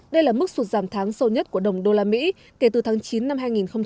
đây là mức sụt giảm tháng sâu nhất của đồng usd kể từ tháng chín năm hai nghìn một mươi